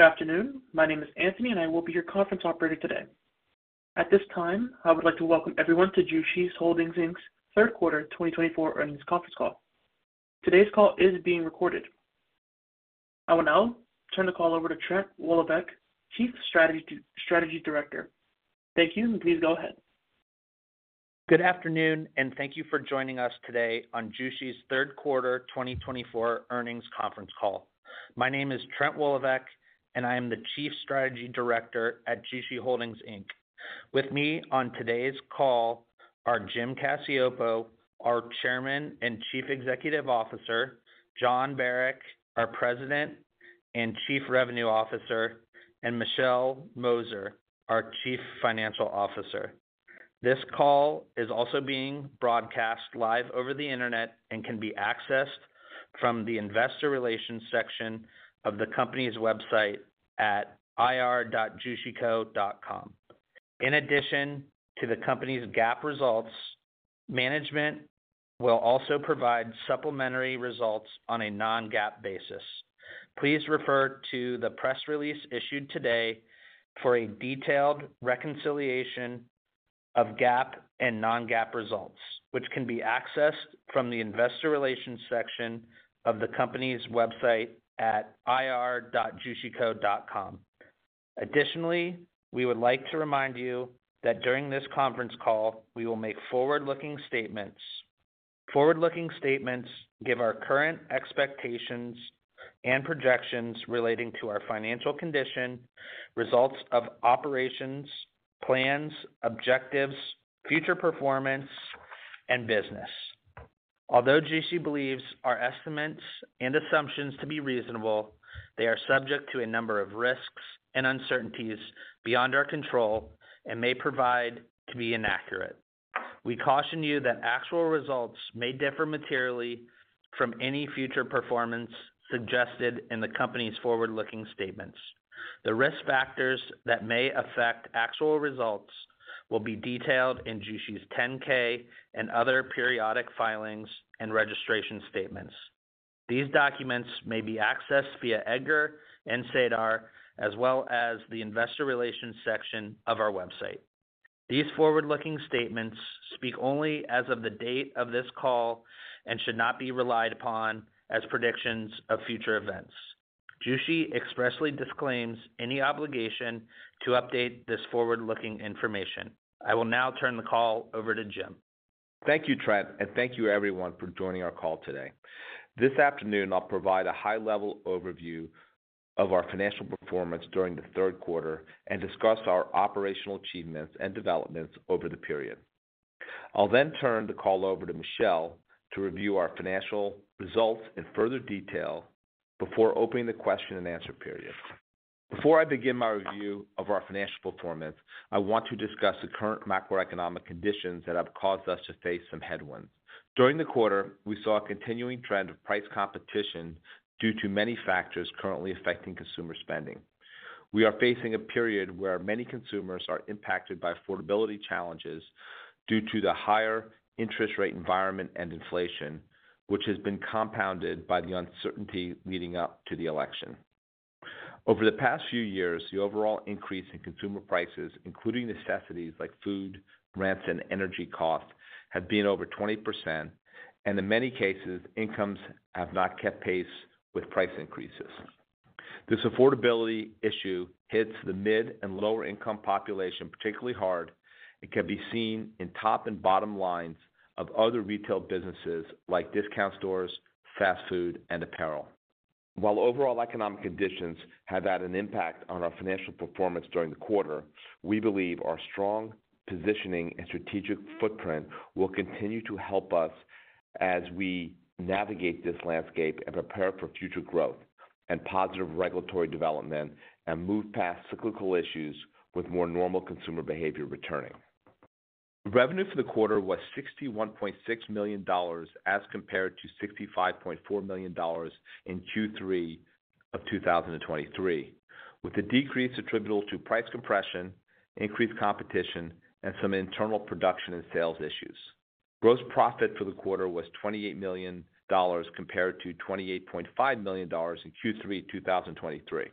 Good afternoon. My name is Anthony, and I will be your conference operator today. At this time, I would like to welcome everyone to Jushi Holdings Inc.'s Q3 2024 earnings conference call. Today's call is being recorded. I will now turn the call over to Trent Woloveck, Chief Strategy Director. Thank you, and please go ahead. Good afternoon, and thank you for joining us today on Jushi's Q3 2024 earnings conference call. My name is Trent Woloveck, and I am the Chief Strategy Director at Jushi Holdings Inc. With me on today's call are Jim Cacioppo, our Chairman and Chief Executive Officer. Jon Barack, our President and Chief Revenue Officer. And Michelle Mosier, our Chief Financial Officer. This call is also being broadcast live over the internet and can be accessed from the Investor Relations section of the company's website at ir.jushico.com. In addition to the company's GAAP results, management will also provide supplementary results on a non-GAAP basis. Please refer to the press release issued today for a detailed reconciliation of GAAP and non-GAAP results, which can be accessed from the Investor Relations section of the company's website at ir.jushico.com. Additionally, we would like to remind you that during this conference call, we will make forward-looking statements. Forward-looking statements give our current expectations and projections relating to our financial condition, results of operations, plans, objectives, future performance, and business. Although Jushi believes our estimates and assumptions to be reasonable, they are subject to a number of risks and uncertainties beyond our control and may prove to be inaccurate. We caution you that actual results may differ materially from any future performance suggested in the company's forward-looking statements. The risk factors that may affect actual results will be detailed in Jushi's 10-K and other periodic filings and registration statements. These documents may be accessed via EDGAR and SEDAR, as well as the Investor Relations section of our website. These forward-looking statements speak only as of the date of this call and should not be relied upon as predictions of future events. Jushi expressly disclaims any obligation to update this forward-looking information. I will now turn the call over to Jim. Thank you, Trent, and thank you, everyone, for joining our call today. This afternoon, I'll provide a high-level overview of our financial performance during the Q3 and discuss our operational achievements and developments over the period. I'll then turn the call over to Michelle to review our financial results in further detail before opening the question and answer period. Before I begin my review of our financial performance, I want to discuss the current macroeconomic conditions that have caused us to face some headwinds. During the quarter, we saw a continuing trend of price competition due to many factors currently affecting consumer spending. We are facing a period where many consumers are impacted by affordability challenges due to the higher interest rate environment and inflation, which has been compounded by the uncertainty leading up to the election. Over the past few years, the overall increase in consumer prices, including necessities like food, rents, and energy costs, has been over 20%, and in many cases, incomes have not kept pace with price increases. This affordability issue hits the mid and lower-income population particularly hard and can be seen in top and bottom lines of other retail businesses like discount stores, fast food, and apparel. While overall economic conditions have had an impact on our financial performance during the quarter, we believe our strong positioning and strategic footprint will continue to help us as we navigate this landscape and prepare for future growth and positive regulatory development and move past cyclical issues with more normal consumer behavior returning. Revenue for the quarter was $61.6 million as compared to $65.4 million in Q3 of 2023, with a decrease attributable to price compression, increased competition, and some internal production and sales issues. Gross profit for the quarter was $28 million compared to $28.5 million in Q3 2023.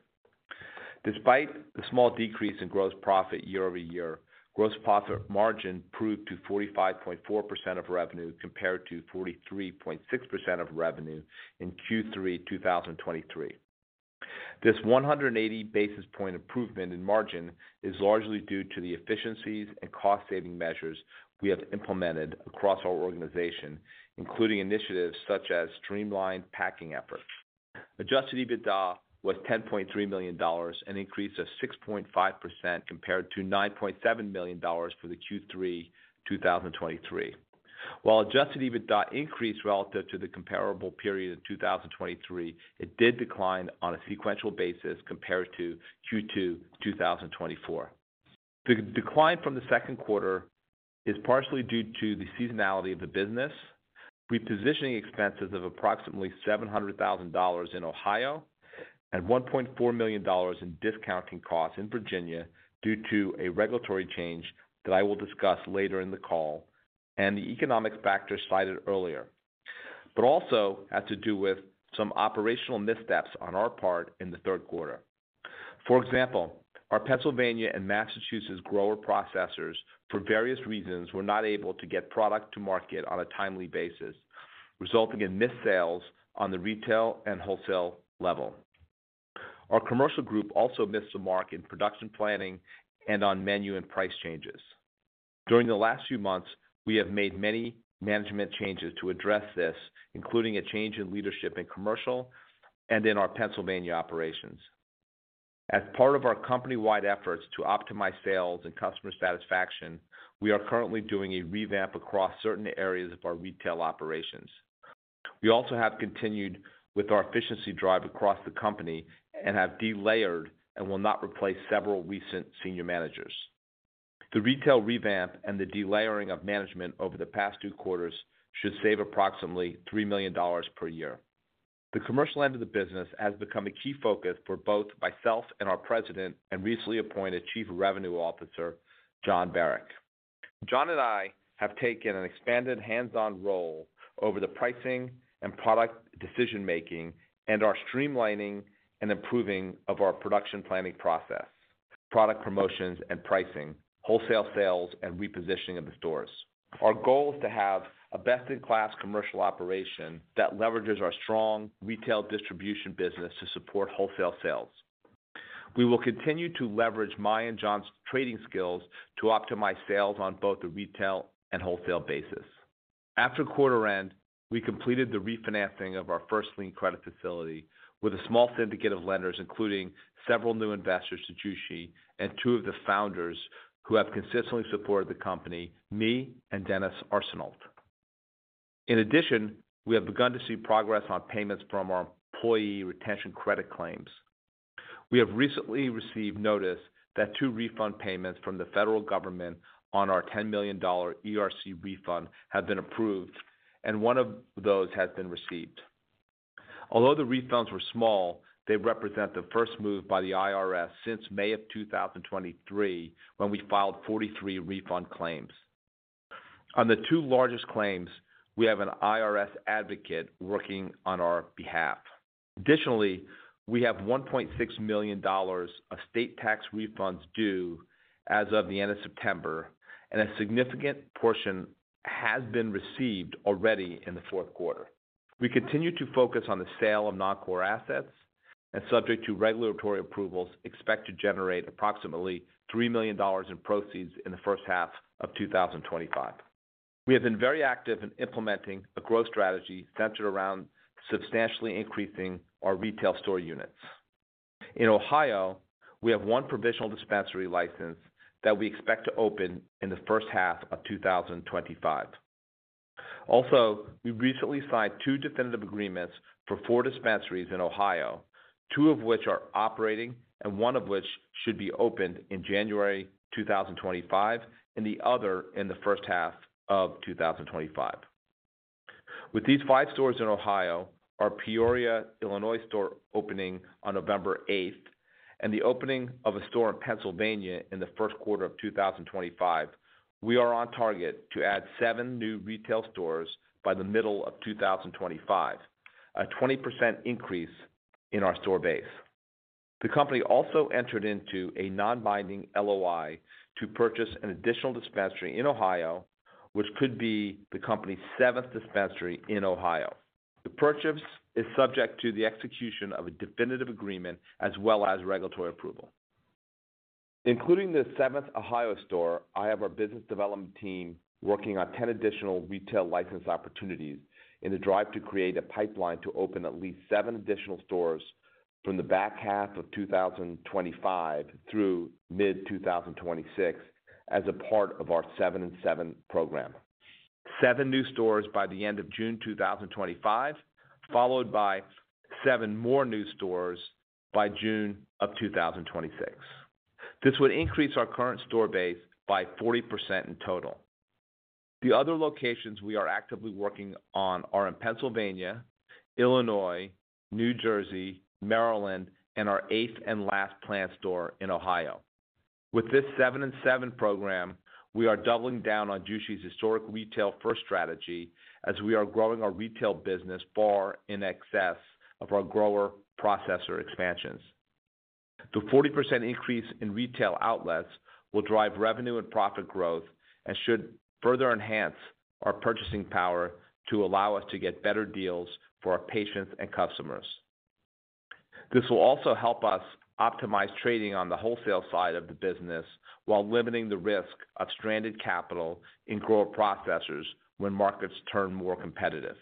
Despite the small decrease in gross profit year over year, gross profit margin improved to 45.4% of revenue compared to 43.6% of revenue in Q3 2023. This 180 basis points improvement in margin is largely due to the efficiencies and cost-saving measures we have implemented across our organization, including initiatives such as streamlined packing efforts. Adjusted EBITDA was $10.3 million, an increase of 6.5% compared to $9.7 million for Q3 2023. While adjusted EBITDA increased relative to the comparable period in 2023, it did decline on a sequential basis compared to Q2 2024. The decline from the Q2 is partially due to the seasonality of the business, repositioning expenses of approximately $700,000 in Ohio, and $1.4 million in discounting costs in Virginia due to a regulatory change that I will discuss later in the call and the economic factors cited earlier, but also has to do with some operational missteps on our part in the Q3. For example, our Pennsylvania and Massachusetts grower processors, for various reasons, were not able to get product to market on a timely basis, resulting in missed sales on the retail and wholesale level. Our commercial group also missed the mark in production planning and on menu and price changes. During the last few months, we have made many management changes to address this, including a change in leadership in commercial and in our Pennsylvania operations. As part of our company-wide efforts to optimize sales and customer satisfaction, we are currently doing a revamp across certain areas of our retail operations. We also have continued with our efficiency drive across the company and have delayered and will not replace several recent senior managers. The retail revamp and the delayering of management over the past two quarters should save approximately $3 million per year. The commercial end of the business has become a key focus for both myself and our President and recently appointed Chief Revenue Officer, Jon Barack. Jon and I have taken an expanded hands-on role over the pricing and product decision-making and are streamlining and improving our production planning process, product promotions and pricing, wholesale sales, and repositioning of the stores. Our goal is to have a best-in-class commercial operation that leverages our strong retail distribution business to support wholesale sales. We will continue to leverage my and Jon's trading skills to optimize sales on both the retail and wholesale basis. After quarter-end, we completed the refinancing of our First Lien credit facility with a small syndicate of lenders, including several new investors to Jushi and two of the founders who have consistently supported the company, me and Denis Arsenault. In addition, we have begun to see progress on payments from our employee retention credit claims. We have recently received notice that two refund payments from the federal government on our $10 million ERC refund have been approved, and one of those has been received. Although the refunds were small, they represent the first move by the IRS since May of 2023 when we filed 43 refund claims. On the two largest claims, we have an IRS advocate working on our behalf. Additionally, we have $1.6 million of state tax refunds due as of the end of September, and a significant portion has been received already in the Q4. We continue to focus on the sale of non-core assets, and subject to regulatory approvals, expect to generate approximately $3 million in proceeds in the first half of 2025. We have been very active in implementing a growth strategy centered around substantially increasing our retail store units. In Ohio, we have one provisional dispensary license that we expect to open in the first half of 2025. Also, we recently signed two definitive agreements for four dispensaries in Ohio, two of which are operating and one of which should be opened in January 2025 and the other in the first half of 2025. With these five stores in Ohio, our Peoria, Illinois, store opening on November 8th, and the opening of a store in Pennsylvania in the Q1 of 2025, we are on target to add seven new retail stores by the middle of 2025, a 20% increase in our store base. The company also entered into a non-binding LOI to purchase an additional dispensary in Ohio, which could be the company's seventh dispensary in Ohio. The purchase is subject to the execution of a definitive agreement as well as regulatory approval. Including the seventh Ohio store, I have our business development team working on 10 additional retail license opportunities in the drive to create a pipeline to open at least seven additional stores from the back half of 2025 through mid-2026 as a part of our Seven-in-Seven program. Seven new stores by the end of June 2025, followed by seven more new stores by June of 2026. This would increase our current store base by 40% in total. The other locations we are actively working on are in Pennsylvania, Illinois, New Jersey, Maryland, and our eighth and last plant store in Ohio. With this Seven-in-Seven program, we are doubling down on Jushi's historic retail first strategy as we are growing our retail business far in excess of our grower processor expansions. The 40% increase in retail outlets will drive revenue and profit growth and should further enhance our purchasing power to allow us to get better deals for our patients and customers. This will also help us optimize trading on the wholesale side of the business while limiting the risk of stranded capital in grower processors when markets turn more competitive.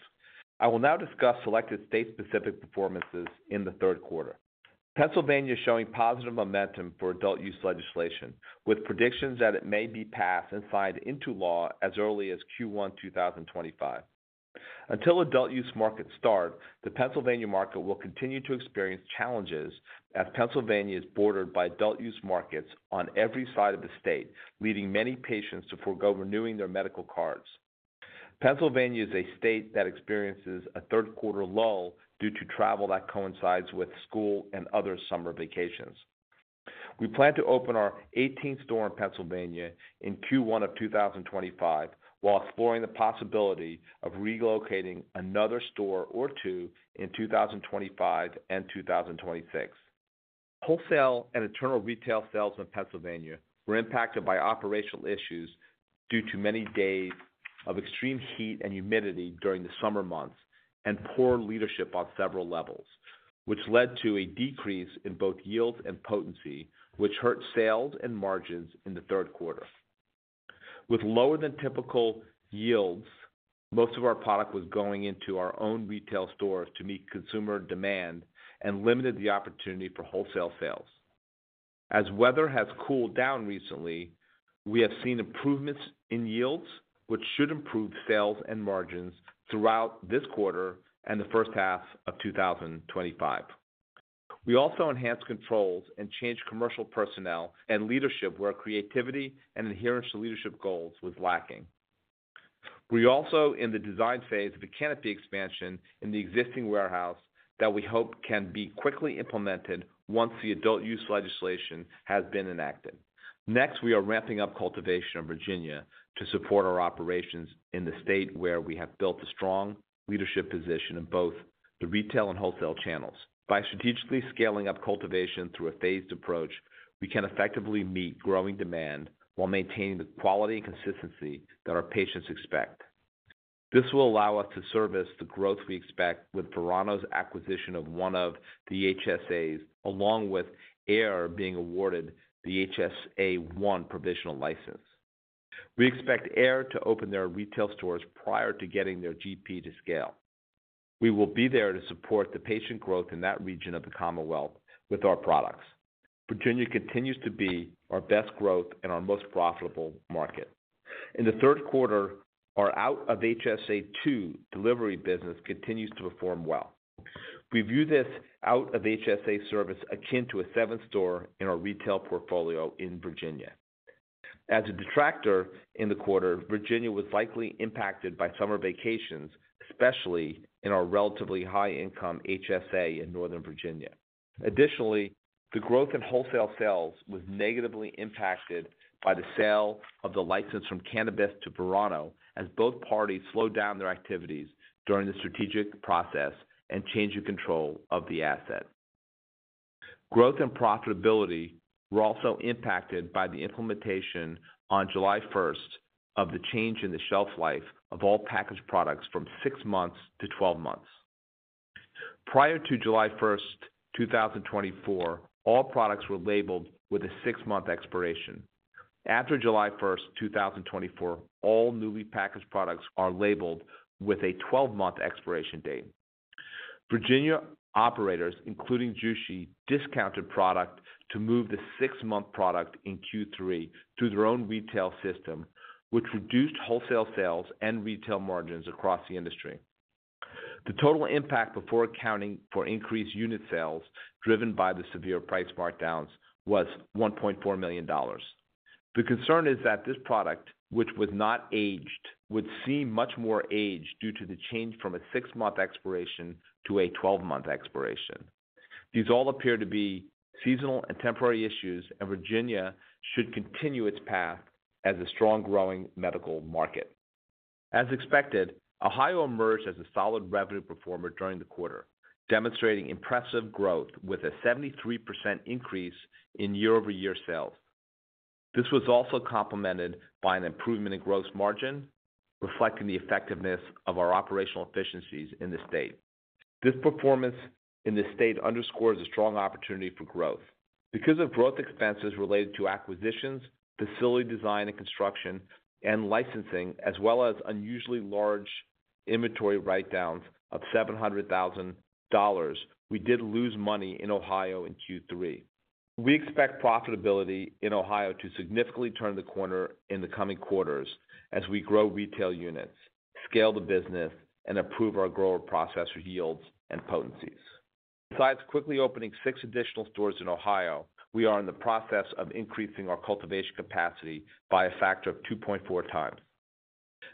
I will now discuss selected state-specific performances in the Q3. Pennsylvania is showing positive momentum for adult use legislation, with predictions that it may be passed and signed into law as early as Q1 2025. Until adult use markets start, the Pennsylvania market will continue to experience challenges as Pennsylvania is bordered by adult use markets on every side of the state, leading many patients to forego renewing their medical cards. Pennsylvania is a state that experiences a third-quarter lull due to travel that coincides with school and other summer vacations. We plan to open our 18th store in Pennsylvania in Q1 of 2025 while exploring the possibility of relocating another store or two in 2025 and 2026. Wholesale and internal retail sales in Pennsylvania were impacted by operational issues due to many days of extreme heat and humidity during the summer months and poor leadership on several levels, which led to a decrease in both yields and potency, which hurt sales and margins in the Q3. With lower-than-typical yields, most of our product was going into our own retail stores to meet consumer demand and limited the opportunity for wholesale sales. As weather has cooled down recently, we have seen improvements in yields, which should improve sales and margins throughout this quarter and the first half of 2025. We also enhanced controls and changed commercial personnel and leadership where creativity and adherence to leadership goals was lacking. We are also in the design phase of a canopy expansion in the existing warehouse that we hope can be quickly implemented once the adult use legislation has been enacted. Next, we are ramping up cultivation in Virginia to support our operations in the state where we have built a strong leadership position in both the retail and wholesale channels. By strategically scaling up cultivation through a phased approach, we can effectively meet growing demand while maintaining the quality and consistency that our patients expect. This will allow us to service the growth we expect with Verano's acquisition of one of the HSAs, along with Ayr being awarded the HSA I provisional license. We expect Ayr to open their retail stores prior to getting their GP to scale. We will be there to support the patient growth in that region of the Commonwealth with our products. Virginia continues to be our best growth and our most profitable market. In the Q3, our out-of-HSA II delivery business continues to perform well. We view this out-of-HSA service akin to a seventh store in our retail portfolio in Virginia. As a detractor in the quarter, Virginia was likely impacted by summer vacations, especially in our relatively high-income HSA in Northern Virginia. Additionally, the growth in wholesale sales was negatively impacted by the sale of the license from The Cannabist Company to Verano as both parties slowed down their activities during the strategic process and change of control of the asset. Growth and profitability were also impacted by the implementation on July 1st of the change in the shelf life of all packaged products from six months to 12 months. Prior to July 1st, 2024, all products were labeled with a six-month expiration. After July 1st, 2024, all newly packaged products are labeled with a 12-month expiration date. Virginia operators, including Jushi, discounted product to move the six-month product in Q3 through their own retail system, which reduced wholesale sales and retail margins across the industry. The total impact before accounting for increased unit sales driven by the severe price markdowns was $1.4 million. The concern is that this product, which was not aged, would seem much more aged due to the change from a six-month expiration to a 12-month expiration. These all appear to be seasonal and temporary issues, and Virginia should continue its path as a strong-growing medical market. As expected, Ohio emerged as a solid revenue performer during the quarter, demonstrating impressive growth with a 73% increase in year-over-year sales. This was also complemented by an improvement in gross margin, reflecting the effectiveness of our operational efficiencies in the state. This performance in the state underscores a strong opportunity for growth. Because of growth expenses related to acquisitions, facility design and construction, and licensing, as well as unusually large inventory write-downs of $700,000, we did lose money in Ohio in Q3. We expect profitability in Ohio to significantly turn the corner in the coming quarters as we grow retail units, scale the business, and improve our grower processor yields and potencies. Besides quickly opening six additional stores in Ohio, we are in the process of increasing our cultivation capacity by a factor of 2.4 times.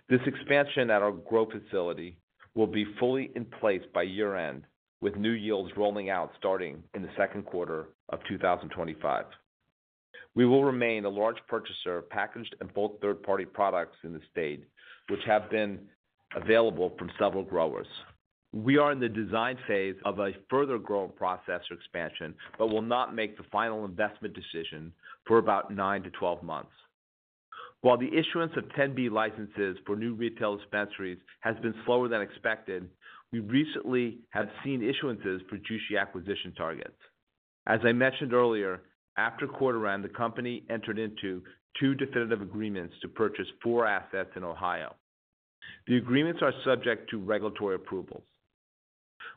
This expansion at our grow facility will be fully in place by year-end, with new yields rolling out starting in the Q2 of 2025. We will remain a large purchaser of packaged and both third-party products in the state, which have been available from several growers. We are in the design phase of a further grower processor expansion but will not make the final investment decision for about nine to 12 months. While the issuance of 10B licenses for new retail dispensaries has been slower than expected, we recently have seen issuances for Jushi acquisition targets. As I mentioned earlier, after quarter-end, the company entered into two definitive agreements to purchase four assets in Ohio. The agreements are subject to regulatory approvals.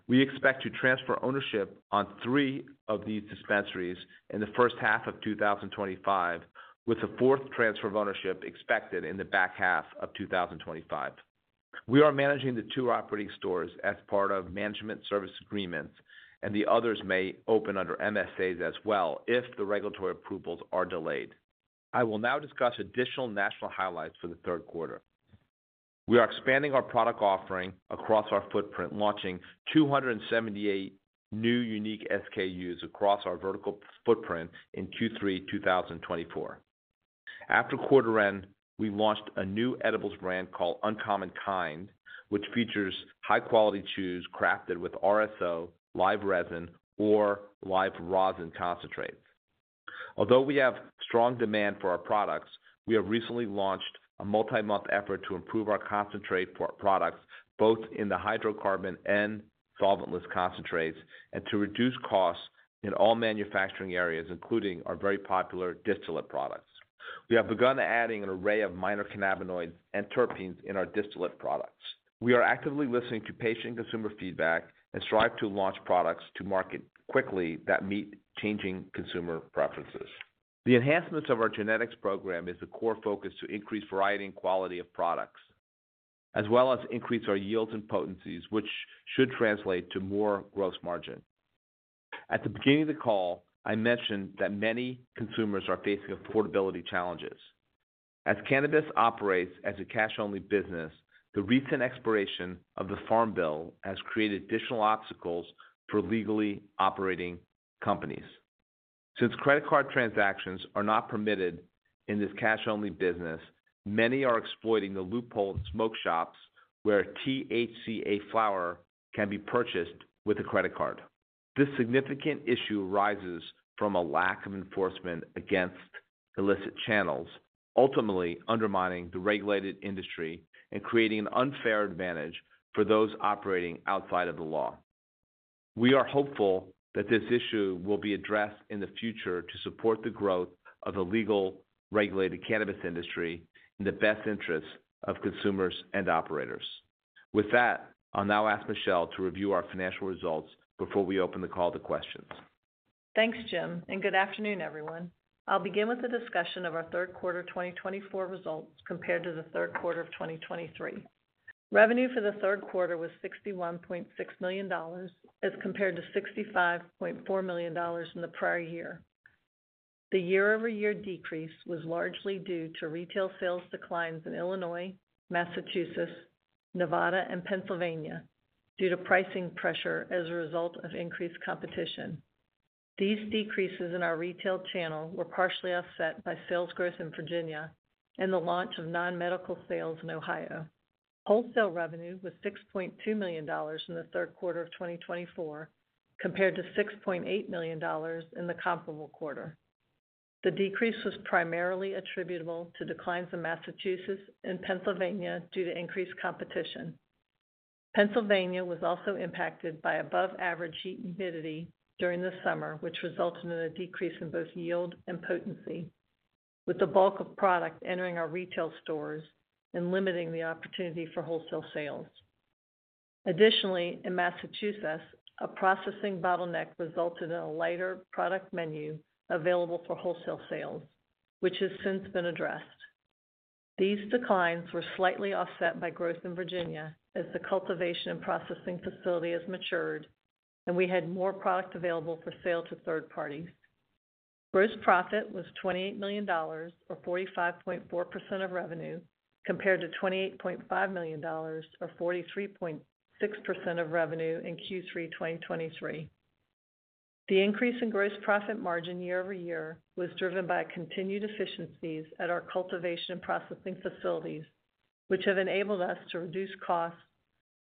We expect to transfer ownership on three of these dispensaries in the first half of 2025, with a fourth transfer of ownership expected in the back half of 2025. We are managing the two operating stores as part of management services agreements, and the others may open under MSAs as well if the regulatory approvals are delayed. I will now discuss additional national highlights for the Q3. We are expanding our product offering across our footprint, launching 278 new unique SKUs across our vertical footprint in Q3 2024. After quarter-end, we launched a new edibles brand called Uncommon Kind, which features high-quality chews crafted with RSO, live resin, or live rosin concentrates. Although we have strong demand for our products, we have recently launched a multi-month effort to improve our concentrate for our products, both in the hydrocarbon and solventless concentrates, and to reduce costs in all manufacturing areas, including our very popular distillate products. We have begun adding an array of minor cannabinoids and terpenes in our distillate products. We are actively listening to patient and consumer feedback and strive to launch products to market quickly that meet changing consumer preferences. The enhancements of our genetics program is a core focus to increase variety and quality of products, as well as increase our yields and potencies, which should translate to more gross margin. At the beginning of the call, I mentioned that many consumers are facing affordability challenges. As cannabis operates as a cash-only business, the recent expiration of the Farm Bill has created additional obstacles for legally operating companies. Since credit card transactions are not permitted in this cash-only business, many are exploiting the loophole in smoke shops where THCA Flower can be purchased with a credit card. This significant issue arises from a lack of enforcement against illicit channels, ultimately undermining the regulated industry and creating an unfair advantage for those operating outside of the law. We are hopeful that this issue will be addressed in the future to support the growth of the legal regulated cannabis industry in the best interests of consumers and operators. With that, I'll now ask Michelle to review our financial results before we open the call to questions. Thanks, Jim. And good afternoon, everyone. I'll begin with the discussion of our Q3 2024 results compared to the Q3 of 2023. Revenue for the Q3 was $61.6 million as compared to $65.4 million in the prior year. The year-over-year decrease was largely due to retail sales declines in Illinois, Massachusetts, Nevada, and Pennsylvania due to pricing pressure as a result of increased competition. These decreases in our retail channel were partially offset by sales growth in Virginia and the launch of non-medical sales in Ohio. Wholesale revenue was $6.2 million in the Q3 of 2024 compared to $6.8 million in the comparable quarter. The decrease was primarily attributable to declines in Massachusetts and Pennsylvania due to increased competition. Pennsylvania was also impacted by above-average heat and humidity during the summer, which resulted in a decrease in both yield and potency, with the bulk of product entering our retail stores and limiting the opportunity for wholesale sales. Additionally, in Massachusetts, a processing bottleneck resulted in a lighter product menu available for wholesale sales, which has since been addressed. These declines were slightly offset by growth in Virginia as the cultivation and processing facility has matured, and we had more product available for sale to third parties. Gross profit was $28 million, or 45.4% of revenue, compared to $28.5 million, or 43.6% of revenue in Q3 2023. The increase in gross profit margin year-over-year was driven by continued efficiencies at our cultivation and processing facilities, which have enabled us to reduce costs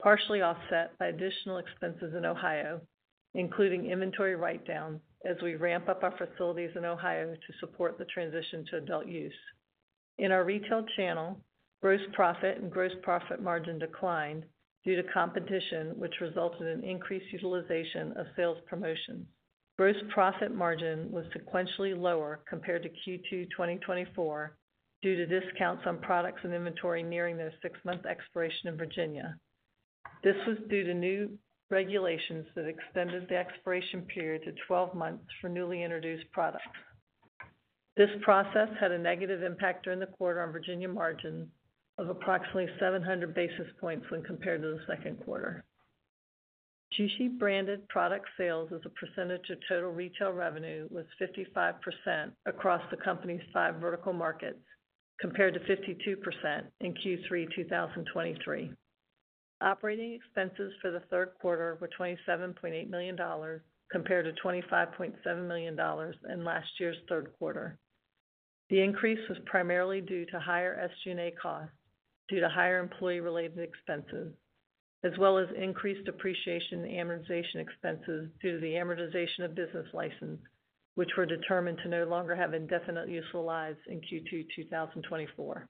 partially offset by additional expenses in Ohio, including inventory write-downs as we ramp up our facilities in Ohio to support the transition to adult use. In our retail channel, gross profit and gross profit margin declined due to competition, which resulted in increased utilization of sales promotions. Gross profit margin was sequentially lower compared to Q2 2024 due to discounts on products and inventory nearing their six-month expiration in Virginia. This was due to new regulations that extended the expiration period to 12 months for newly introduced products. This process had a negative impact during the quarter on Virginia margins of approximately 700 basis points when compared to the Q2. Jushi branded product sales as a percentage of total retail revenue was 55% across the company's five vertical markets, compared to 52% in Q3 2023. Operating expenses for the Q3 were $27.8 million compared to $25.7 million in last year's Q3. The increase was primarily due to higher SG&A costs due to higher employee-related expenses, as well as increased depreciation and amortization expenses due to the amortization of business licenses, which were determined to no longer have indefinite useful lives in Q2 2024.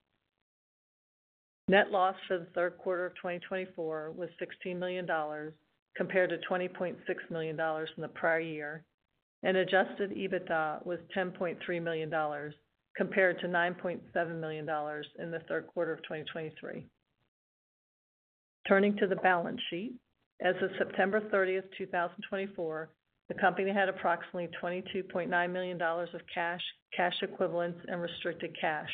Net loss for the Q3 of 2024 was $16 million compared to $20.6 million in the prior year, and adjusted EBITDA was $10.3 million compared to $9.7 million in the Q3 of 2023. Turning to the balance sheet, as of September 30th, 2024, the company had approximately $22.9 million of cash, cash equivalents, and restricted cash.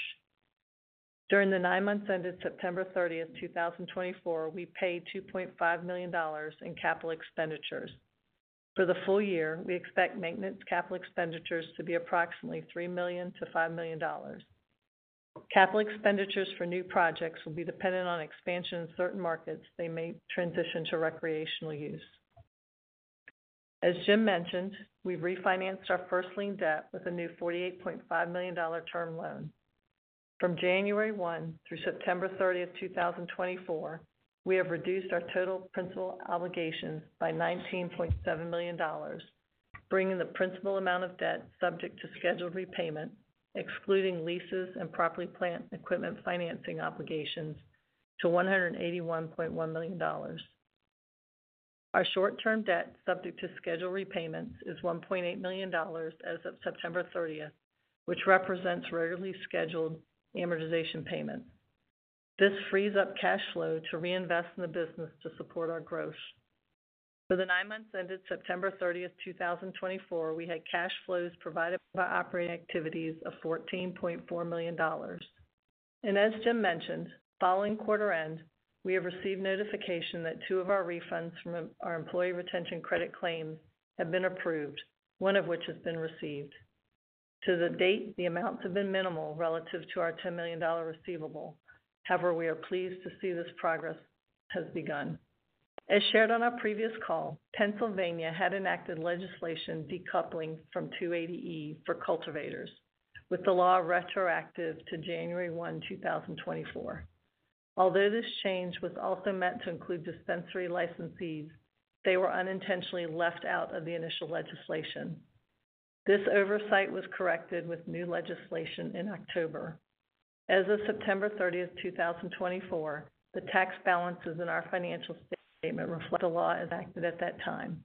During the nine months ended September 30th, 2024, we paid $2.5 million in capital expenditures. For the full year, we expect maintenance capital expenditures to be approximately $3 million-$5 million. Capital expenditures for new projects will be dependent on expansion in certain markets. They may transition to recreational use. As Jim mentioned, we've refinanced our first-lien debt with a new $48.5 million term loan. From January 1 through September 30th, 2024, we have reduced our total principal obligations by $19.7 million, bringing the principal amount of debt subject to scheduled repayment, excluding leases and properly planned equipment financing obligations, to $181.1 million. Our short-term debt subject to scheduled repayments is $1.8 million as of September 30th, which represents regularly scheduled amortization payments. This frees up cash flow to reinvest in the business to support our growth. For the nine months ended September 30th, 2024, we had cash flows provided by operating activities of $14.4 million, and as Jim mentioned, following quarter-end, we have received notification that two of our refunds from our employee retention credit claims have been approved, one of which has been received. To date, the amounts have been minimal relative to our $10 million receivable. However, we are pleased to see this progress has begun. As shared on our previous call, Pennsylvania had enacted legislation decoupling from 280E for cultivators, with the law retroactive to January 1, 2024. Although this change was also meant to include dispensary licensees, they were unintentionally left out of the initial legislation. This oversight was corrected with new legislation in October. As of September 30th, 2024, the tax balances in the financial statements reflect the law as enacted at that time,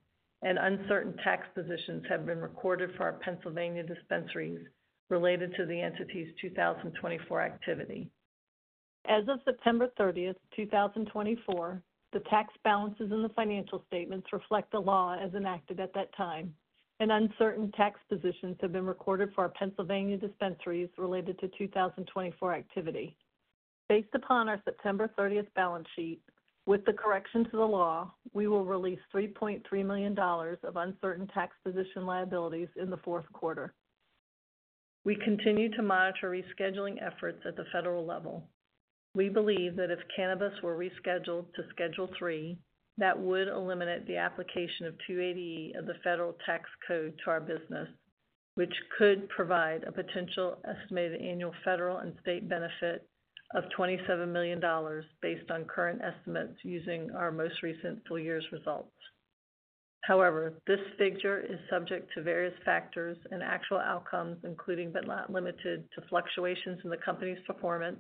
and uncertain tax positions have been recorded for our Pennsylvania dispensaries related to 2024 activity. Based upon our September 30th balance sheet, with the correction to the law, we will release $3.3 million of uncertain tax position liabilities in the Q4. We continue to monitor rescheduling efforts at the federal level. We believe that if cannabis were rescheduled to Schedule III, that would eliminate the application of 280E of the federal tax code to our business, which could provide a potential estimated annual federal and state benefit of $27 million based on current estimates using our most recent full year's results. However, this figure is subject to various factors and actual outcomes, including but not limited to fluctuations in the company's performance,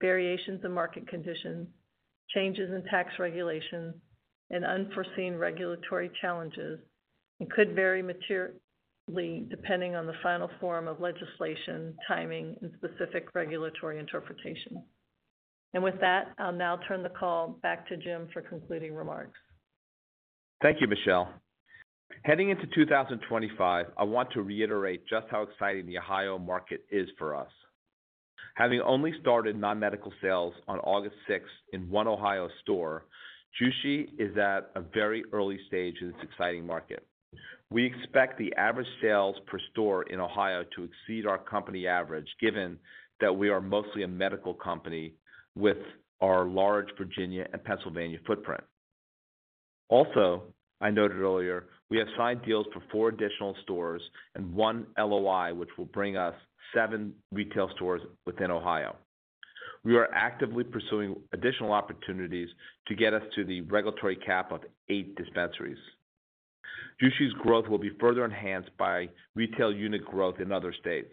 variations in market conditions, changes in tax regulations, and unforeseen regulatory challenges, and could vary materially depending on the final form of legislation, timing, and specific regulatory interpretation, and with that, I'll now turn the call back to Jim for concluding remarks. Thank you, Michelle. Heading into 2025, I want to reiterate just how exciting the Ohio market is for us. Having only started non-medical sales on August 6th in one Ohio store, Jushi is at a very early stage in this exciting market. We expect the average sales per store in Ohio to exceed our company average, given that we are mostly a medical company with our large Virginia and Pennsylvania footprint. Also, I noted earlier, we have signed deals for four additional stores and one LOI, which will bring us seven retail stores within Ohio. We are actively pursuing additional opportunities to get us to the regulatory cap of eight dispensaries. Jushi's growth will be further enhanced by retail unit growth in other states.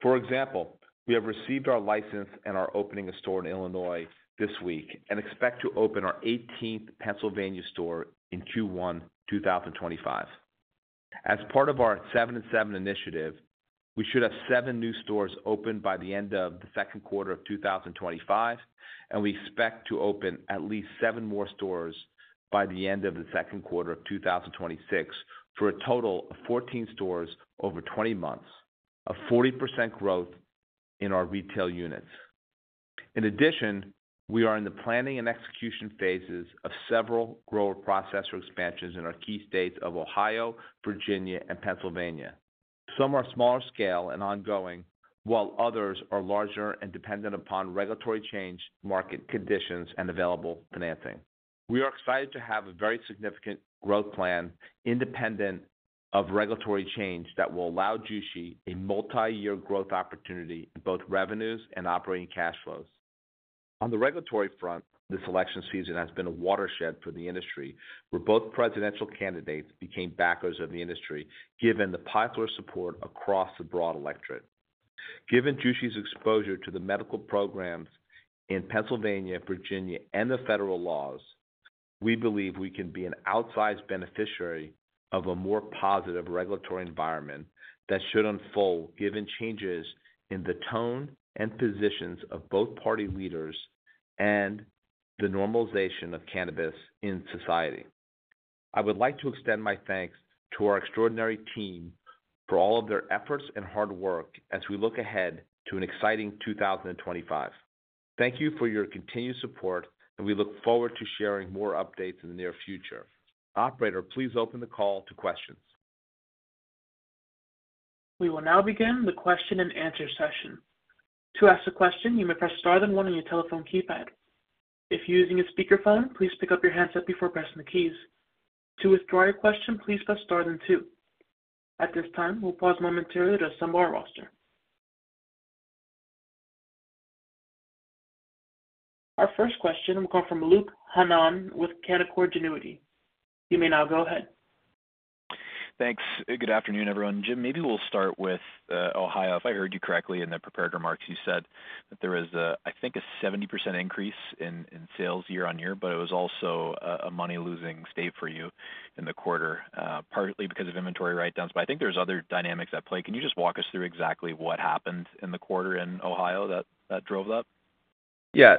For example, we have received our license and are opening a store in Illinois this week and expect to open our 18th Pennsylvania store in Q1 2025. As part of our 7&7 initiative, we should have seven new stores open by the end of the Q2 of 2025, and we expect to open at least seven more stores by the end of the Q2 of 2026 for a total of 14 stores over 20 months, a 40% growth in our retail units. In addition, we are in the planning and execution phases of several grower processor expansions in our key states of Ohio, Virginia, and Pennsylvania. Some are smaller scale and ongoing, while others are larger and dependent upon regulatory change, market conditions, and available financing. We are excited to have a very significant growth plan independent of regulatory change that will allow Jushi a multi-year growth opportunity in both revenues and operating cash flows. On the regulatory front, this election season has been a watershed for the industry, where both presidential candidates became backers of the industry, given the popular support across the broad electorate. Given Jushi's exposure to the medical programs in Pennsylvania, Virginia, and the federal laws, we believe we can be an outsized beneficiary of a more positive regulatory environment that should unfold, given changes in the tone and positions of both party leaders and the normalization of cannabis in society. I would like to extend my thanks to our extraordinary team for all of their efforts and hard work as we look ahead to an exciting 2025. Thank you for your continued support, and we look forward to sharing more updates in the near future. Operator, please open the call to questions. We will now begin the question and answer session. To ask a question, you may press star then one on your telephone keypad. If using a speakerphone, please pick up your handset before pressing the keys. To withdraw your question, please press star then two. At this time, we'll pause momentarily to assemble our roster. Our first question will come from Luke Hannan with Canaccord Genuity. You may now go ahead. Thanks. Good afternoon, everyone. Jim, maybe we'll start with Ohio. If I heard you correctly in the prepared remarks, you said that there was, I think, a 70% increase in sales year on year, but it was also a money-losing state for you in the quarter, partly because of inventory write-downs. But I think there's other dynamics at play. Can you just walk us through exactly what happened in the quarter in Ohio that drove that? Yeah,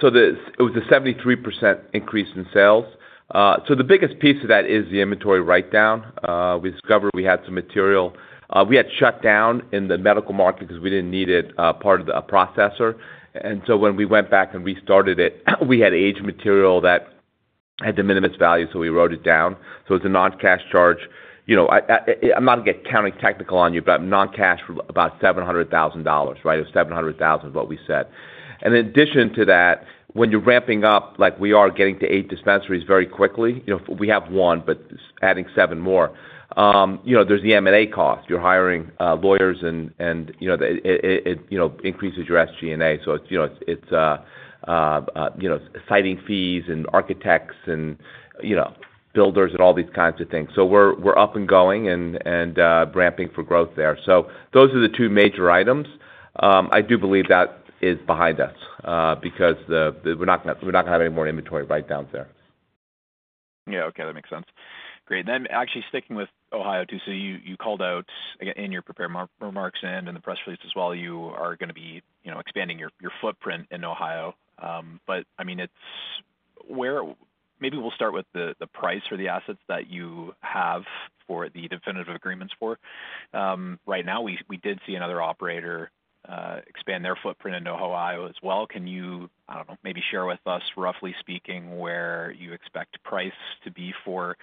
so it was a 73% increase in sales. So the biggest piece of that is the inventory write-down. We discovered we had some material. We had shut down in the medical market because we didn't need it, part of the processor. And so when we went back and restarted it, we had aged material that had the minimum value, so we wrote it down. So it was a non-cash charge. I'm not going to get too technical on you, but non-cash for about $700,000, right? It was $700,000 is what we said. And in addition to that, when you're ramping up, like we are getting to eight dispensaries very quickly, we have one, but adding seven more. There's the M&A cost. You're hiring lawyers, and it increases your SG&A. So it's siting fees and architects and builders and all these kinds of things. So we're up and going and ramping for growth there. So those are the two major items. I do believe that is behind us because we're not going to have any more inventory write-downs there. Yeah. Okay. That makes sense. Great. And then actually sticking with Ohio too, so you called out in your prepared remarks and in the press release as well, you are going to be expanding your footprint in Ohio. But I mean, maybe we'll start with the price for the assets that you have for the definitive agreements for. Right now, we did see another operator expand their footprint in Ohio as well. Can you, I don't know, maybe share with us, roughly speaking, where you expect price to be for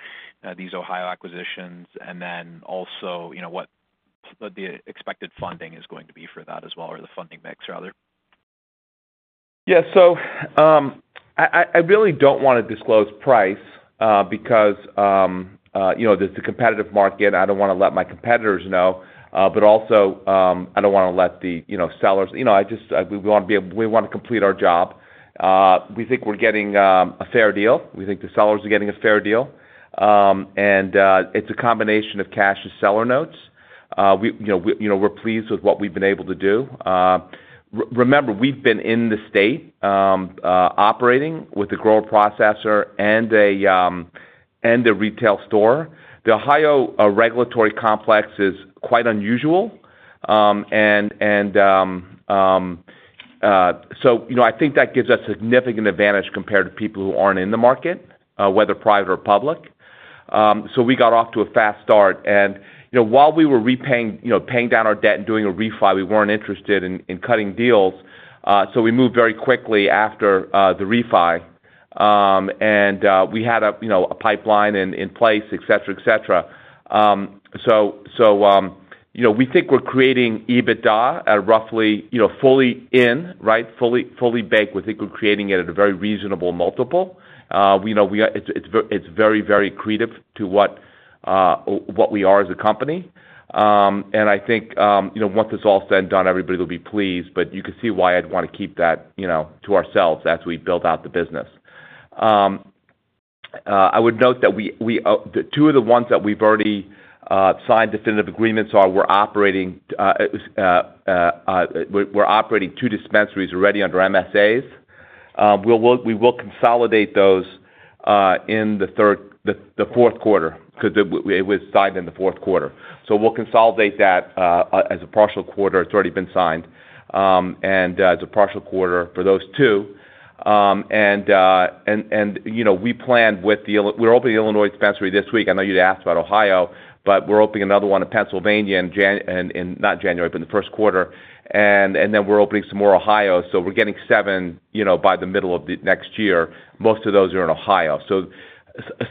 these Ohio acquisitions and then also what the expected funding is going to be for that as well, or the funding mix, rather? Yeah. So I really don't want to disclose price because there's the competitive market. I don't want to let my competitors know, but also I don't want to let the sellers—we want to be able—we want to complete our job. We think we're getting a fair deal. We think the sellers are getting a fair deal. And it's a combination of cash and seller notes. We're pleased with what we've been able to do. Remember, we've been in the state operating with a grower processor and a retail store. The Ohio regulatory complex is quite unusual. And so I think that gives us a significant advantage compared to people who aren't in the market, whether private or public. So we got off to a fast start. And while we were repaying down our debt and doing a refi, we weren't interested in cutting deals. So we moved very quickly after the refi. And we had a pipeline in place, etc., etc. So we think we're creating EBITDA at roughly fully in, right? Fully bank, we think we're creating it at a very reasonable multiple. It's very, very creative to what we are as a company. And I think once it's all said and done, everybody will be pleased, but you can see why I'd want to keep that to ourselves as we build out the business. I would note that two of the ones that we've already signed definitive agreements are, we're operating two dispensaries already under MSAs. We will consolidate those in the Q4 because it was signed in the Q4. So we'll consolidate that as a partial quarter. It's already been signed as a partial quarter for those two. And we're opening Illinois dispensary this week. I know you'd asked about Ohio, but we're opening another one in Pennsylvania in not January, but in the Q1, and then we're opening some more in Ohio. So we're getting seven by the middle of next year. Most of those are in Ohio. So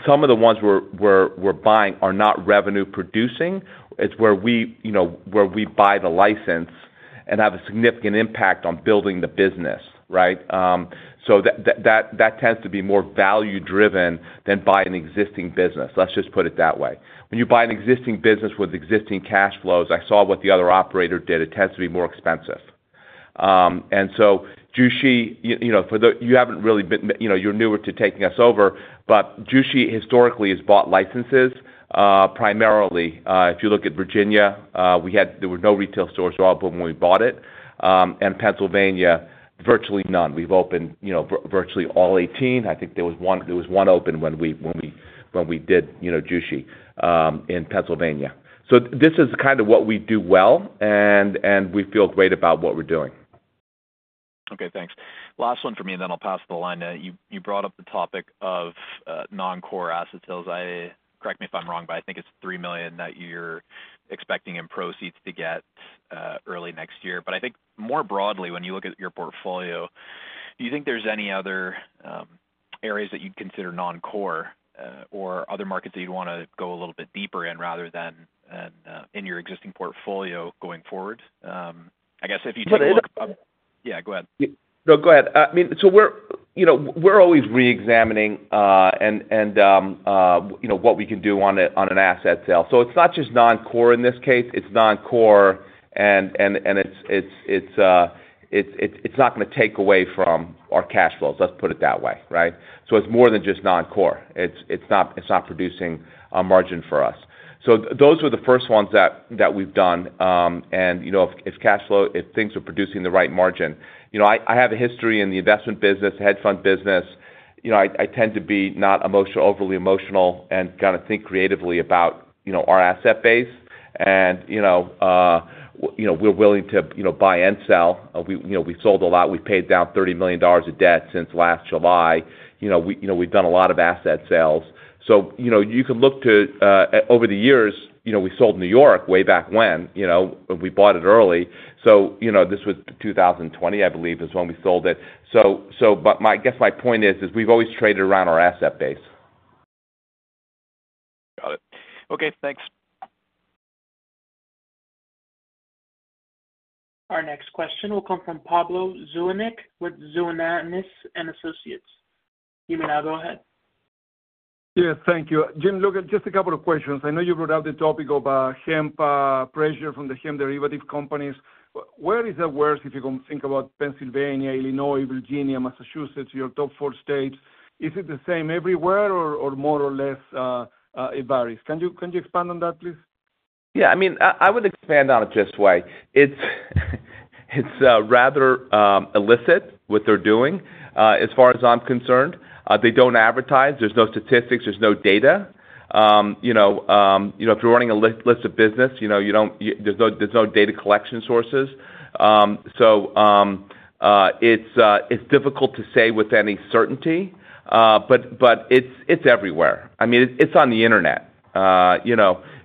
some of the ones we're buying are not revenue-producing. It's where we buy the license and have a significant impact on building the business, right? So that tends to be more value-driven than buy an existing business. Let's just put it that way. When you buy an existing business with existing cash flows, I saw what the other operator did. It tends to be more expensive. And so Jushi, you haven't really been—you're newer to taking us over, but Jushi historically has bought licenses primarily. If you look at Virginia, there were no retail stores open when we bought it, and Pennsylvania, virtually none. We've opened virtually all 18. I think there was one open when we did Jushi in Pennsylvania. So this is kind of what we do well, and we feel great about what we're doing. Okay. Thanks. Last one for me, and then I'll pass the line. You brought up the topic of non-core asset sales. Correct me if I'm wrong, but I think it's $3 million that you're expecting in proceeds to get early next year. But I think more broadly, when you look at your portfolio, do you think there's any other areas that you'd consider non-core or other markets that you'd want to go a little bit deeper in rather than in your existing portfolio going forward? I guess if you take a look, yeah, go ahead. No, go ahead. I mean, so we're always re-examining and what we can do on an asset sale. So it's not just non-core in this case. It's non-core, and it's not going to take away from our cash flows. Let's put it that way, right? So it's more than just non-core. It's not producing a margin for us. So those were the first ones that we've done. And if things are producing the right margin, I have a history in the investment business, hedge fund business. I tend to be not overly emotional and kind of think creatively about our asset base. And we're willing to buy and sell. We sold a lot. We've paid down $30 million of debt since last July. We've done a lot of asset sales. So you can look to over the years, we sold New York way back when we bought it early. So this was 2020, I believe, is when we sold it. But I guess my point is, we've always traded around our asset base. Got it. Okay. Thanks. Our next question will come from Pablo Zuanic with Zuanic & Associates. You may now go ahead. Yeah. Thank you. Jim, look, just a couple of questions. I know you brought up the topic of hemp pressure from the hemp derivative companies. Where is that worse if you think about Pennsylvania, Illinois, Virginia, Massachusetts, your top four states? Is it the same everywhere or more or less it varies? Can you expand on that, please? Yeah. I mean, I would expand on it in a way. It's rather illicit what they're doing as far as I'm concerned. They don't advertise. There's no statistics. There's no data. If you're running a legit business, there's no data collection sources. So it's difficult to say with any certainty, but it's everywhere. I mean, it's on the internet.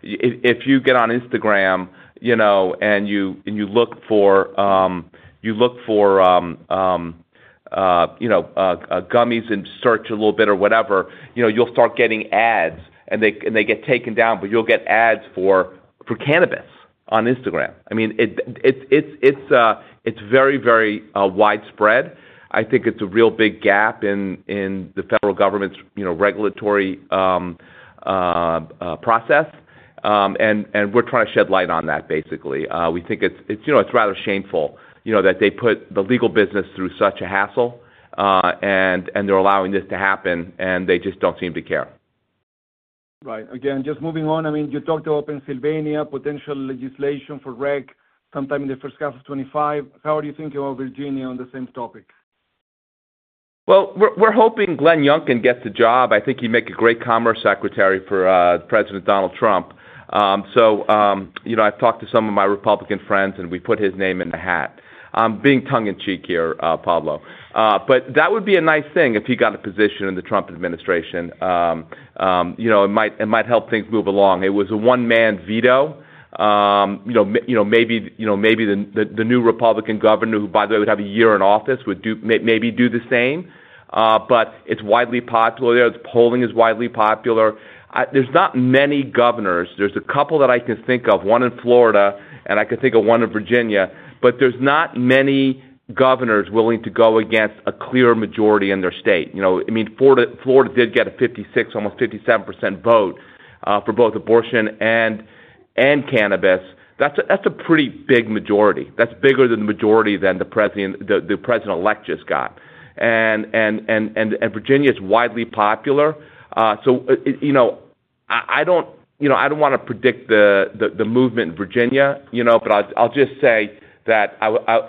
If you get on Instagram and you look for gummies and search a little bit or whatever, you'll start getting ads, and they get taken down, but you'll get ads for cannabis on Instagram. I mean, it's very, very widespread. I think it's a real big gap in the federal government's regulatory process. And we're trying to shed light on that, basically. We think it's rather shameful that they put the legal business through such a hassle, and they're allowing this to happen, and they just don't seem to care. Right. Again, just moving on. I mean, you talked about Pennsylvania, potential legislation for rec sometime in the first half of 2025. How are you thinking about Virginia on the same topic? Well, we're hoping Glenn Youngkin gets the job. I think he'd make a great commerce secretary for President Donald Trump. So I've talked to some of my Republican friends, and we put his name in the hat. I'm being tongue-in-cheek here, Pablo. But that would be a nice thing if he got a position in the Trump administration. It might help things move along. It was a one-man veto. Maybe the new Republican governor, who, by the way, would have a year in office, would maybe do the same. But it's widely popular there. The polling is widely popular. There's not many governors. There's a couple that I can think of, one in Florida, and I can think of one in Virginia, but there's not many governors willing to go against a clear majority in their state. I mean, Florida did get a 56%, almost 57% vote for both abortion and cannabis. That's a pretty big majority. That's bigger than the majority that the president-elect just got. Virginia is widely popular. So I don't want to predict the movement in Virginia, but I'll just say that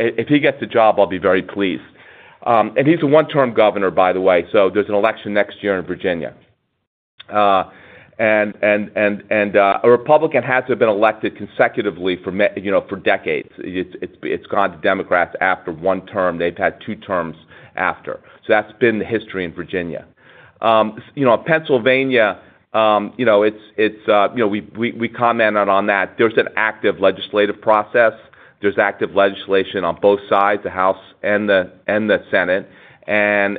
if he gets the job, I'll be very pleased. And he's a one-term governor, by the way. So there's an election next year in Virginia. And a Republican hasn't been elected consecutively for decades. It's gone to Democrats after one term. They've had two terms after. So that's been the history in Virginia. Pennsylvania, it's—we commented on that. There's an active legislative process. There's active legislation on both sides, the House and the Senate. And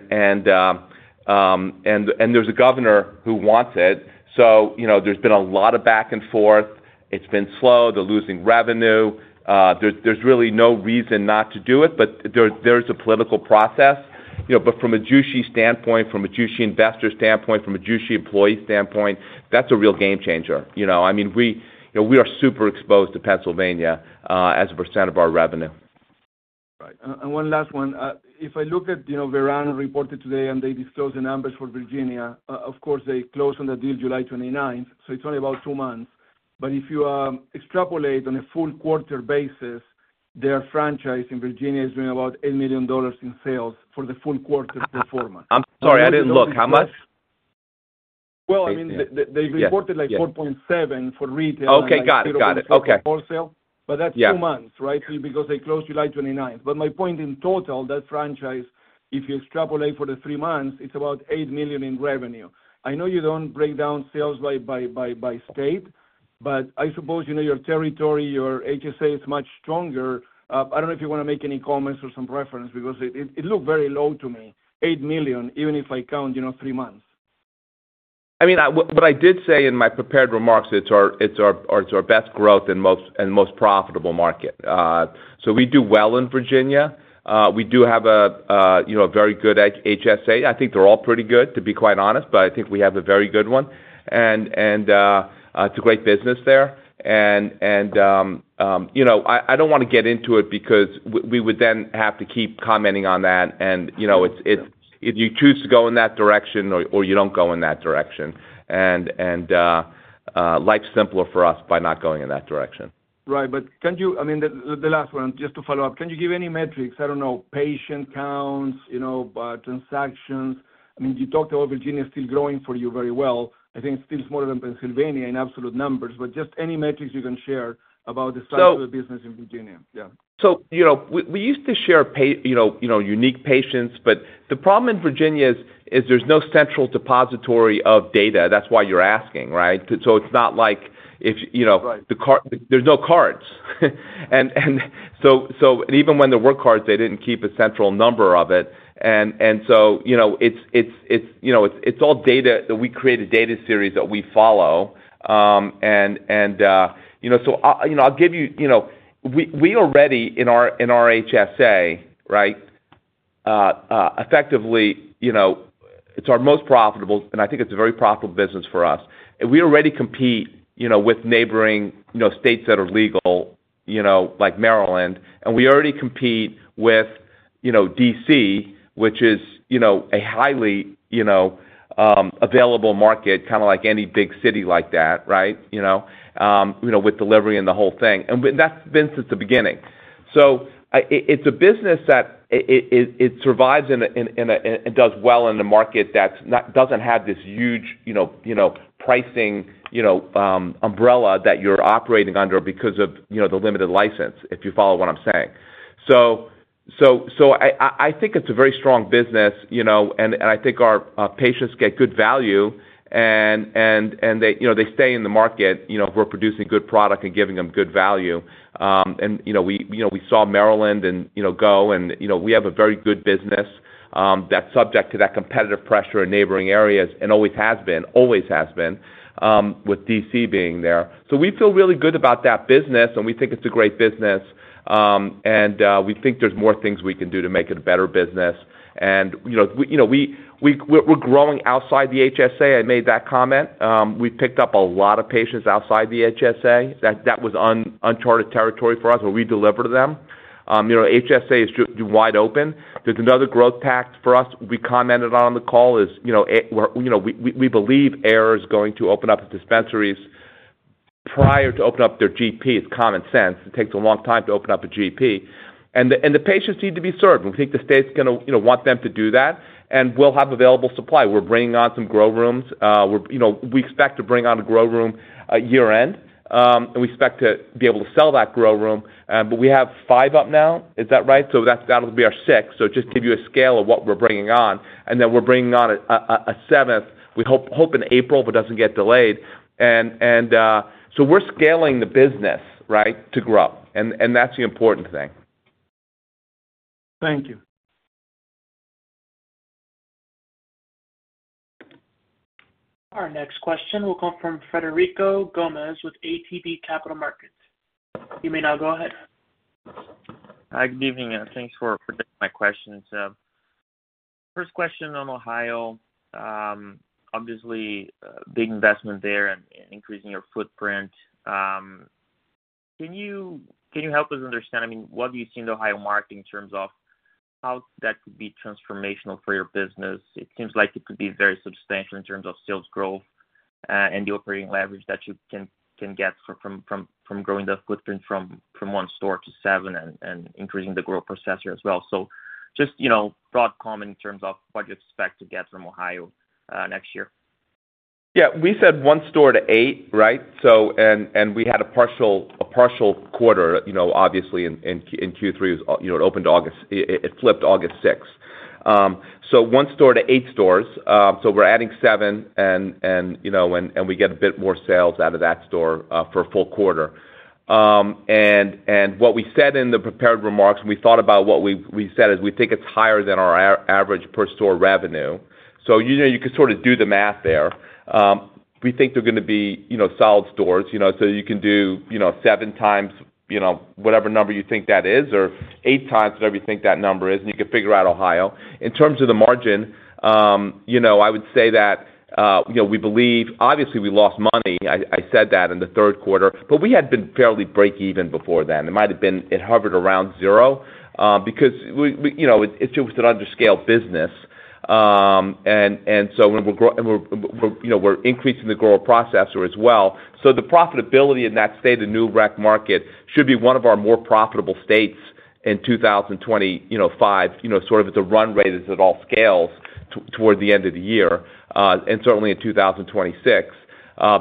there's a governor who wants it. So there's been a lot of back and forth. It's been slow. They're losing revenue. There's really no reason not to do it, but there's a political process. But from a Jushi standpoint, from a Jushi investor standpoint, from a Jushi employee standpoint, that's a real game changer. I mean, we are super exposed to Pennsylvania as a percent of our revenue. Right, and one last one. If I look at Verano reported today and they disclose the numbers for Virginia, of course, they closed on the deal July 29th. So it's only about two months. But if you extrapolate on a full quarter basis, their franchise in Virginia is doing about $8 million in sales for the full quarter performance. I'm sorry. I didn't look. How much? Well, I mean, they reported like $4.7 million for retail. Okay. Got it. Got it. Okay. Wholesale. But that's two months, right, because they closed July 29th. But my point, in total, that franchise, if you extrapolate for the three months, it's about $8 million in revenue. I know you don't break down sales by state, but I suppose your territory, your HSA is much stronger. I don't know if you want to make any comments or some reference because it looked very low to me, $8 million, even if I count three months. I mean, what I did say in my prepared remarks, it's our best growth and most profitable market. So we do well in Virginia. We do have a very good HSA. I think they're all pretty good, to be quite honest, but I think we have a very good one. And it's a great business there. And I don't want to get into it because we would then have to keep commenting on that. And if you choose to go in that direction or you don't go in that direction, and life's simpler for us by not going in that direction. Right. But I mean, the last one, just to follow up, can you give any metrics? I don't know, patient counts, transactions. I mean, you talked about Virginia still growing for you very well. I think it's still smaller than Pennsylvania in absolute numbers, but just any metrics you can share about the size of the business in Virginia. Yeah. So we used to share unique patients, but the problem in Virginia is there's no central depository of data. That's why you're asking, right? So it's not like if there's no cards. And even when there were cards, they didn't keep a central number of it. And so it's all data that we create a data series that we follow. And so I'll give you, we already, in our HSA, right, effectively, it's our most profitable, and I think it's a very profitable business for us. We already compete with neighboring states that are legal, like Maryland. We already compete with DC, which is a highly available market, kind of like any big city like that, right, with delivery and the whole thing. And that's been since the beginning. So it's a business that it survives and does well in a market that doesn't have this huge pricing umbrella that you're operating under because of the limited license, if you follow what I'm saying. So I think it's a very strong business, and I think our patients get good value, and they stay in the market if we're producing good product and giving them good value. And we saw Maryland go, and we have a very good business that's subject to that competitive pressure in neighboring areas and always has been, always has been, with DC being there. So we feel really good about that business, and we think it's a great business. And we think there's more things we can do to make it a better business. And we're growing outside the HSA. I made that comment. We picked up a lot of patients outside the HSA. That was uncharted territory for us, but we delivered to them. HSA is wide open. There's another growth path for us. We commented on the call is we believe Ayr is going to open up its dispensaries prior to opening up their GP. It's common sense. It takes a long time to open up a GP. And the patients need to be served. We think the state's going to want them to do that. And we'll have available supply. We're bringing on some grow rooms. We expect to bring on a grow room year-end, and we expect to be able to sell that grow room. But we have five up now. Is that right? So that'll be our sixth. So just to give you a scale of what we're bringing on. And then we're bringing on a seventh. We hope in April, if it doesn't get delayed. And so we're scaling the business, right, to grow. And that's the important thing. Thank you. Our next question will come from Frederico Gomes with ATB Capital Markets. You may now go ahead. Hi. Good evening. Thanks for taking my questions. First question on Ohio. Obviously, big investment there and increasing your footprint. Can you help us understand, I mean, what do you see in the Ohio market in terms of how that could be transformational for your business? It seems like it could be very substantial in terms of sales growth and the operating leverage that you can get from growing the footprint from one store to seven and increasing the grower processor here as well. So, just broad comment in terms of what you expect to get from Ohio next year. Yeah. We said one store to eight, right? And we had a partial quarter, obviously, in Q3. It opened August. It flipped August 6th. So one store to eight stores. So we're adding seven, and we get a bit more sales out of that store for a full quarter. And what we said in the prepared remarks, and we thought about what we said is we think it's higher than our average per store revenue. So you can sort of do the math there. We think they're going to be solid stores. So you can do seven times whatever number you think that is or eight times whatever you think that number is, and you can figure out Ohio. In terms of the margin, I would say that we believe, obviously, we lost money. I said that in the Q3, but we had been fairly break-even before then. It might have been it hovered around zero because it's just an underscaled business. And so we're increasing the grower processor as well. So the profitability in that state of new rec market should be one of our more profitable states in 2025, sort of at the run rate as it all scales toward the end of the year, and certainly in 2026,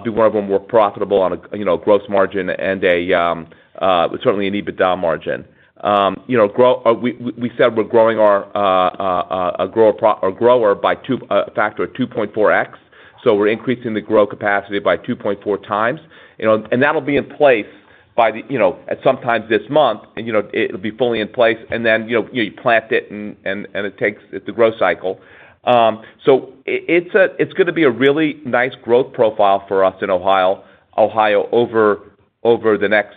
be one of our more profitable on a gross margin and certainly an EBITDA margin. We said we're growing our grower by a factor of 2.4x. So we're increasing the grower capacity by 2.4 times. And that'll be in place by sometime this month. It'll be fully in place, and then you plant it, and it takes the grow cycle. So it's going to be a really nice growth profile for us in Ohio over the next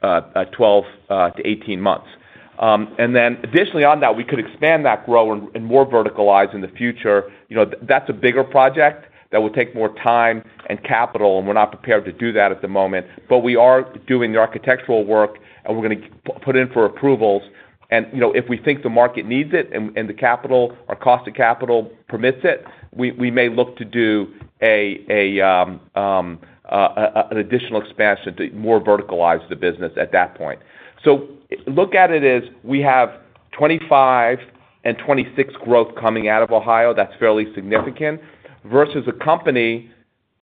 12 to 18 months. And then additionally on that, we could expand that grower-processor and more verticalize in the future. That's a bigger project that will take more time and capital, and we're not prepared to do that at the moment. But we are doing the architectural work, and we're going to put in for approvals. And if we think the market needs it and the capital, our cost of capital permits it, we may look to do an additional expansion to more verticalize the business at that point. So look at it as we have 2025 and 2026 growth coming out of Ohio. That's fairly significant versus a company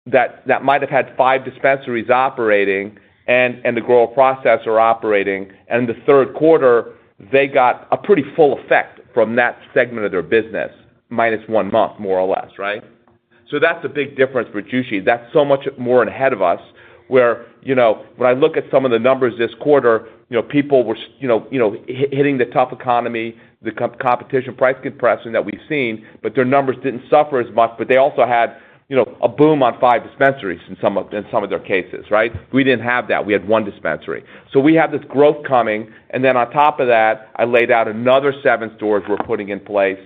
that might have had five dispensaries operating and the grower-processor operating. And in the Q3, they got a pretty full effect from that segment of their business, minus one month, more or less, right? So that's a big difference for Jushi. That's so much more ahead of us where when I look at some of the numbers this quarter, people were hitting the tough economy, the competition price compression that we've seen, but their numbers didn't suffer as much. But they also had a boom on five dispensaries in some of their cases, right? We didn't have that. We had one dispensary. So we have this growth coming. And then on top of that, I laid out another seven stores we're putting in place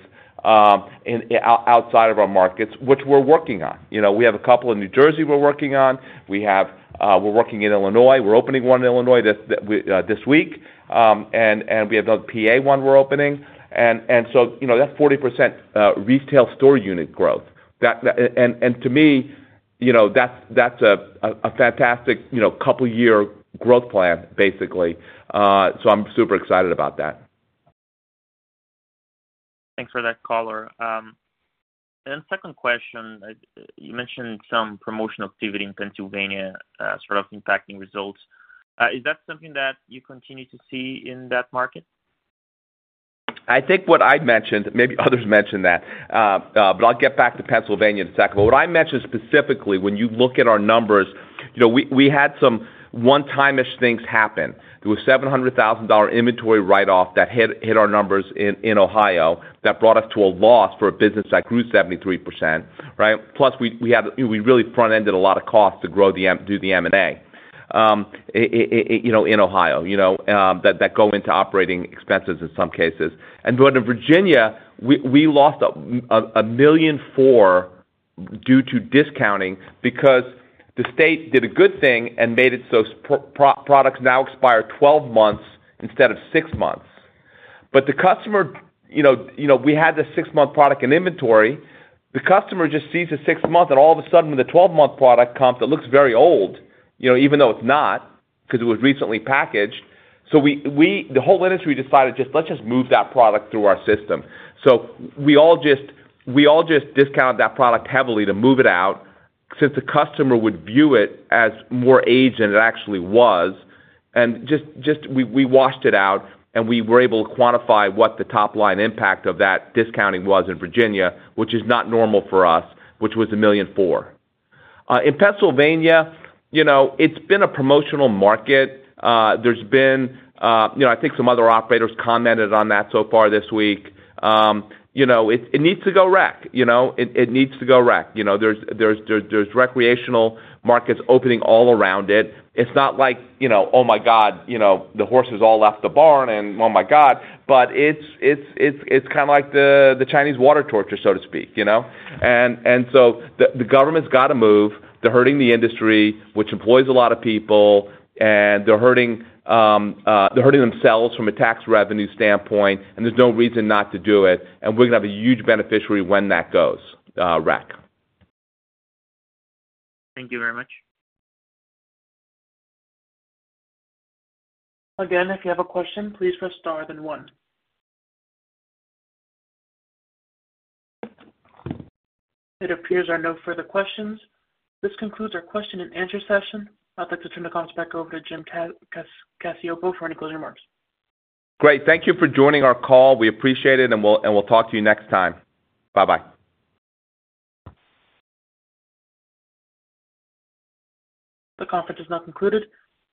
outside of our markets, which we're working on. We have a couple in New Jersey we're working on. We're working in Illinois. We're opening one in Illinois this week. And we have another PA one we're opening. And so that's 40% retail store unit growth. And to me, that's a fantastic couple-year growth plan, basically. So I'm super excited about that. Thanks for that caller. And second question, you mentioned some promotional activity in Pennsylvania sort of impacting results. Is that something that you continue to see in that market? I think what I mentioned, maybe others mentioned that, but I'll get back to Pennsylvania in a second. But what I mentioned specifically, when you look at our numbers, we had some one-time-ish things happen. There was $700,000 inventory write-off that hit our numbers in Ohio that brought us to a loss for a business that grew 73%, right? Plus, we really front-ended a lot of costs to do the M&A in Ohio that go into operating expenses in some cases. And but in Virginia, we lost $1.4 million due to discounting because the state did a good thing and made it so products now expire 12 months instead of six months. But the customer, we had the six-month product in inventory. The customer just sees the six-month, and all of a sudden, when the 12-month product comes, it looks very old, even though it's not because it was recently packaged. So the whole industry decided, "Let's just move that product through our system." So we all just discounted that product heavily to move it out since the customer would view it as more age than it actually was. And just we washed it out, and we were able to quantify what the top-line impact of that discounting was in Virginia, which is not normal for us, which was $1.4 million. In Pennsylvania, it's been a promotional market. There's been, I think, some other operators commented on that so far this week. It needs to go rec. It needs to go rec. There's recreational markets opening all around it. It's not like, "Oh my God, the horses all left the barn and oh my God." But it's kind of like the Chinese water torture, so to speak. And so the government's got to move. They're hurting the industry, which employs a lot of people, and they're hurting themselves from a tax revenue standpoint, and there's no reason not to do it. And we're going to have a huge beneficiary when that goes rec. Thank you very much. Again, if you have a question, please press star then one. It appears there are no further questions. This concludes our question and answer session. I'd like to turn the conference back over to Jim Cacioppo for any closing remarks. Great. Thank you for joining our call. We appreciate it, and we'll talk to you next time. Bye-bye. The conference is now concluded.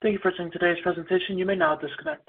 Thank you for attending today's presentation. You may now disconnect.